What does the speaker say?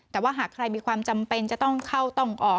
แต่ว่าหากใครมีความจำเป็นจะต้องเข้าต้องออก